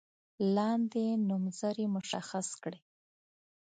لاندې نومځري مشخص کړئ.